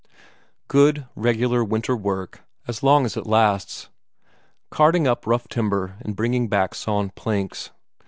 Good, regular winter work, as long as it lasts; carting up rough timber and bringing back sawn planks.